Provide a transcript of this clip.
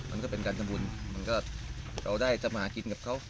มันก็เป็นการทำบุญมันก็เราได้ทำมาหากินกับเขา